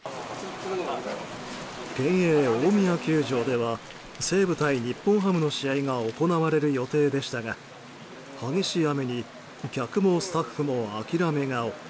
県営大宮球場では西武対日本ハムの試合が行われる予定でしたが激しい雨に客もスタッフも諦め顔。